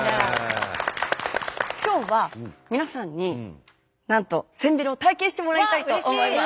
今日は皆さんになんとせんべろを体験してもらいたいと思います。